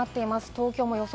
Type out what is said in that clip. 東京の予想